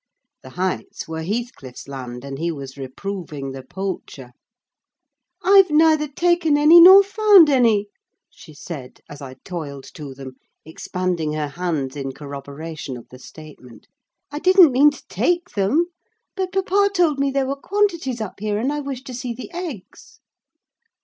The Heights were Heathcliff's land, and he was reproving the poacher. "I've neither taken any nor found any," she said, as I toiled to them, expanding her hands in corroboration of the statement. "I didn't mean to take them; but papa told me there were quantities up here, and I wished to see the eggs."